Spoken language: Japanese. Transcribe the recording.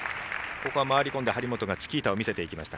ここは回り込んで張本がチキータを見せていきました。